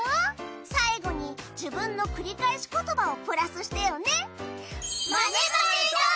最後に自分のくりかえしことばをプラスしてよね！